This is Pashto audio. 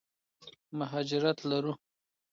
مهاجرت لرو.